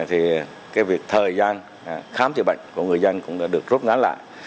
thì thời gian khám chữa bệnh của người dân sẽ tốt hơn